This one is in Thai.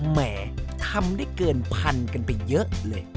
แหมทำได้เกินพันกันไปเยอะเลย